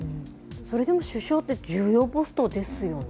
それでも首相って重要ポストですよね。